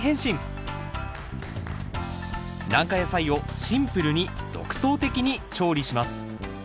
軟化野菜をシンプルに独創的に調理します。